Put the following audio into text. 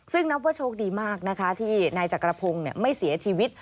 ซึ่งนับว่าโชคดีมากนะคะที่นายจักรพงศ์ไม่เสียชีวิต